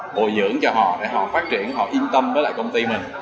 bồi dưỡng cho họ để họ phát triển họ yên tâm với lại công ty mình